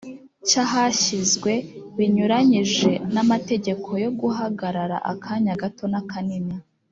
Cyahashyizwe binyuranyije n’amategeko yo guhagarara akanya gato n’akanini